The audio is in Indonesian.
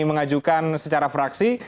mengajukan secara fraksi